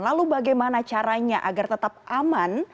lalu bagaimana caranya agar tetap aman